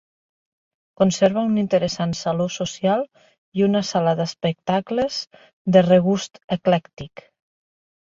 Conserva un interessant saló social i una sala d'espectacles de regust eclèctic.